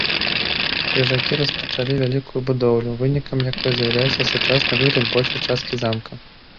Крыжакі распачалі вялікую будоўлю, вынікам якой з'яўляецца сучасны выгляд большай часткі замка.